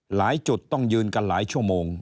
หลายจุดต้องยืนกันหลายชั่วโมง